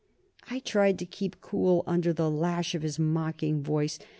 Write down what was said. I tried to keep cool under the lash of his mocking voice.